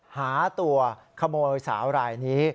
หาตัวขโมยสาวรายนี้